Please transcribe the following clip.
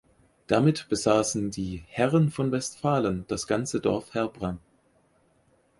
Damit besaßen die "Herren von Westfalen" das ganze Dorf "Herbram".